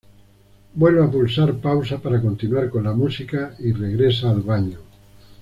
Vuelve a pulsar pausa, para continuar con la música y regresa al baño.